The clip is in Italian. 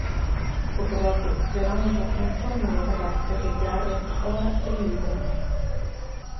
Poco dopo, Veronica informa le ragazze che Garrett ora è libero.